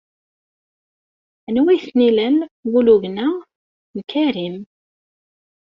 Anwa ay ten-ilan walugen-a? N Karim.